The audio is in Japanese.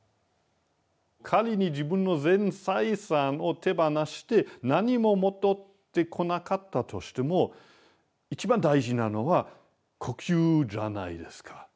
仮に自分の全財産を手放して何も戻ってこなかったとしても一番大事なのは呼吸じゃないですか。